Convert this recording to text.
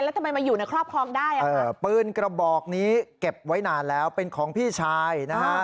แล้วทำไมมาอยู่ในครอบครองได้อ่ะปืนกระบอกนี้เก็บไว้นานแล้วเป็นของพี่ชายนะฮะ